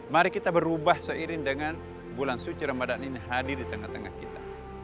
mari kita berubah seiring dengan bulan suci ramadan ini hadir di tengah tengah kita